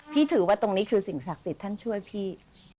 ถือว่าตรงนี้คือสิ่งศักดิ์สิทธิ์ท่านช่วยพี่